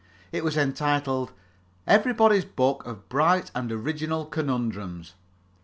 It was entitled "Everybody's Book of Bright and Original Conundrums."